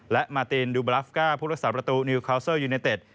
และมาตินดูบราฟก้าผู้รักษาประตูนิวคาวเซอร์ยูเนเต็ด